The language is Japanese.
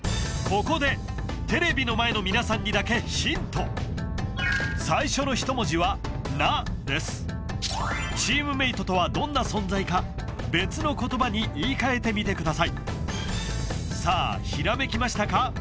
ここでテレビの前の皆さんにだけヒント最初の１文字は「な」ですチームメイトとはどんな存在か別の言葉に言い換えてみてくださいさあ閃きましたか？